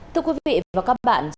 thưa quý vị và các bạn